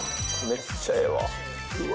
めっちゃええわ！